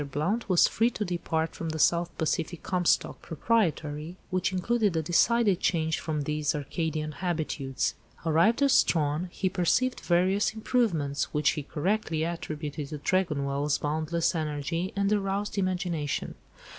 Blount was free to depart for the South Pacific Comstock (Proprietary), which included a decided change from these Arcadian habitudes. Arrived at Strahan, he perceived various improvements, which he correctly attributed to Tregonwell's boundless energy and aroused imagination.